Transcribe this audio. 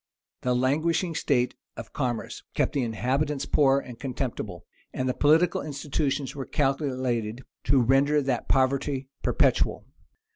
The languishing state of commerce kept the inhabitants poor and contemptible; and the political institutions were calculated to render that poverty perpetual.